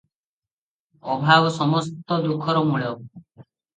ଅଭାବ ସମସ୍ତ ଦୁଃଖର ମୂଳ ।